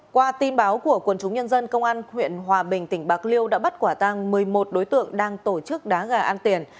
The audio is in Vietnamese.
qua tin báo của quần chúng nhân dân công an huyện hòa bình tỉnh bạc liêu đã bắt quả tăng một mươi một đối tượng đang tổ chức đá gà ăn tiền